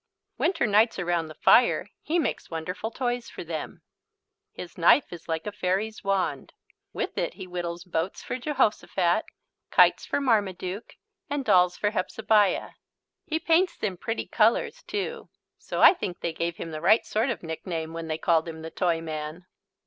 Winter nights around the fire he makes wonderful toys for them. His knife is like a fairy's wand. With it he whittles boats for Jehosophat, kites for Marmaduke, and dolls for Hepzebiah. He paints them pretty colours too. So I think they gave him the right sort of nickname when they called him "the Toyman."